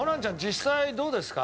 実際どうですか？